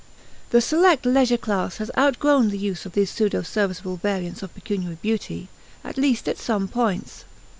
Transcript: The select leisure class has outgrown the use of these pseudo serviceable variants of pecuniary beauty, at least at some points.